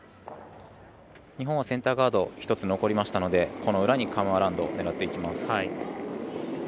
日本はセンターガード１つ残りましたのでこの裏にカム・アラウンドを狙っていきます。